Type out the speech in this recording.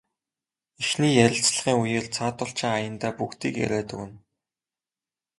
Эхний ярилцлагын үеэр цаадуул чинь аяндаа бүгдийг яриад өгнө.